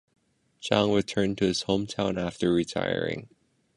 Zhang returned to his hometown after retiring.